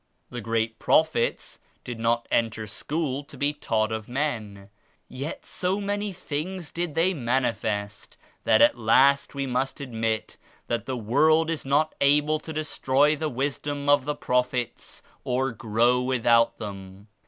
The great Prophets did not enter school to be taught of men, yet so many things did they manifest that at last we must admit that the world is not able to destroy the wisdom of the Prophets or grow without them.